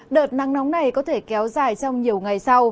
đợt nắng nóng này có thể kéo dài trong nhiều ngày sau